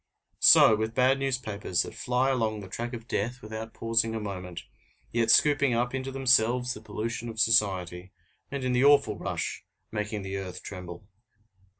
So with bad newspapers that fly along the track of death without pausing a moment, yet scooping up into themselves the pollution of society, and in the awful rush making the earth tremble.